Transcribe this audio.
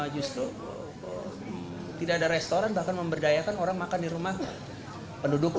justru tidak ada restoran bahkan memberdayakan orang makan di rumah penduduk